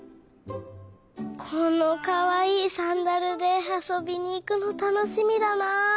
このかわいいサンダルであそびにいくのたのしみだな！